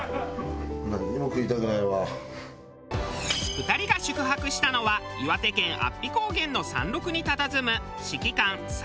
２人が宿泊したのは岩手県安比高原の山麓に佇む四季館彩